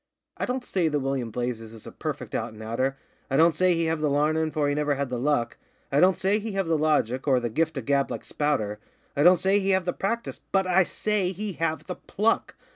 'I don't say that William Blazes is a perfect out an' outer, I don't say he have the larnin', for he never had the luck; I don't say he have the logic, or the gift of gab, like Spouter, I don't say he have the practice BUT I SAY HE HAVE THE PLUCK!